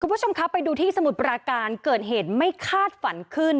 คุณผู้ชมครับไปดูที่สมุทรปราการเกิดเหตุไม่คาดฝันขึ้น